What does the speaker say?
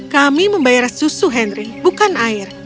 kami membayar susu henry bukan air